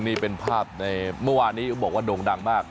นี่เป็นภาพในเมื่อวานนี้ก็บอกว่าโด่งดังมาก